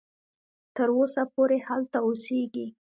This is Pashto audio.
تر اوسه پوري هلته اوسیږي.